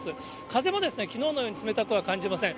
風もですね、きのうのように冷たくは感じません。